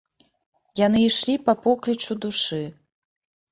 Яны ішлі па поклічу душы.